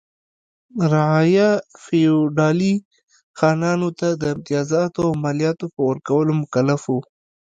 رعایا فیوډالي خانانو ته د امتیازاتو او مالیاتو په ورکولو مکلف و.